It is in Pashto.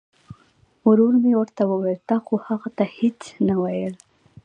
ورو مې ورته وویل تا خو هغه ته هیڅ نه ویل.